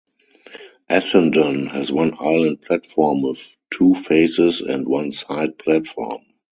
Essendon has one island platform with two faces and one side platform.